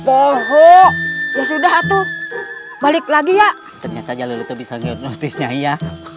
oh ya sudah atuh balik lagi ya ternyata jalur itu bisa ngikut notisnya ya